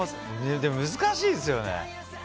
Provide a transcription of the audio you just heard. でも難しいですよね。